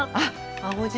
青じ